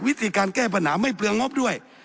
วิธีการแก้ปัญหาไม่เปลืองงบด้วย